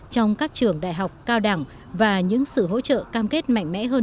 trong các trường đại học cao đẳng và những sự hỗ trợ cam kết mạnh mẽ hơn